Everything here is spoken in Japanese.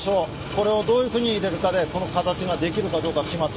これをどういうふうに入れるかでこの形ができるかどうか決まってくるんです。